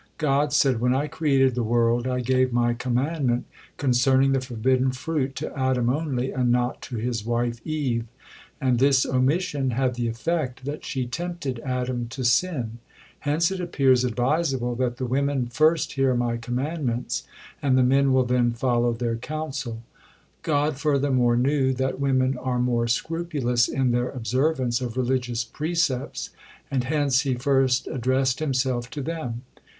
God said: "When I created the world, I gave My commandment concerning the forbidden fruit to Adam only, and not to his wife Eve, and this omission had the effect that she tempted Adam to sin. Hence it appears advisable that the women first hear My commandments, and the men will then follow their counsel." God, furthermore, knew that women are more scrupulous in their observance of religious percepts, and hence He first addressed Himself to them.